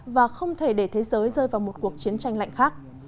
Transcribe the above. và không thể để thế giới rơi vào một cuộc chiến tranh lạnh khác